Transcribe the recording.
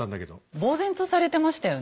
ぼう然とされてましたよね